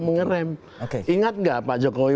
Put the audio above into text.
mengeram ingat gak pak jokowi